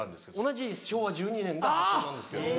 同じ昭和１２年が発祥なんですけど。